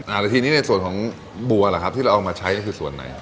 แล้วทีนี้ในส่วนของบัวล่ะครับที่เราเอามาใช้ก็คือส่วนไหนครับ